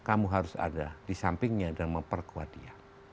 anda harus berada di sampingnya dan memperkuat dia